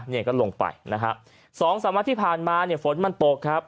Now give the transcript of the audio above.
เนี้ยก็ลงไปนะฮะสองสามวันที่ผ่านมาเนี้ยฝนมันโปรกครับ